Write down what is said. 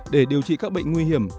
để điều trị các bệnh nguy hiểm